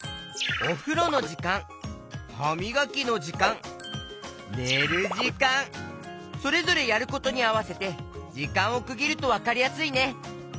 おふろのじかんはみがきのじかんねるじかんそれぞれやることにあわせてじかんをくぎるとわかりやすいね。